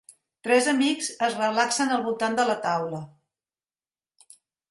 Tres amics es relaxen al voltant de la taula.